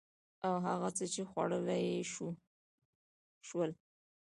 او هغه څه چې خوړلي يې شول